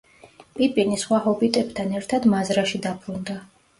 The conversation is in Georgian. პიპინი სხვა ჰობიტებთან ერთად მაზრაში დაბრუნდა.